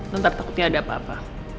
ntar takutnya ada apa apa